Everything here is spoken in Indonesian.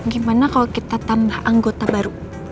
gimana kalau kita tambah anggota baru